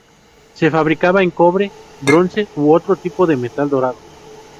Se fabricaban en cobre, bronce u otro tipo de metal dorado.